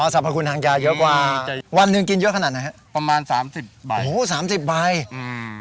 สรรพคุณทางยาเยอะกว่าวันหนึ่งกินเยอะขนาดไหนฮะประมาณสามสิบใบโอ้โหสามสิบใบอืม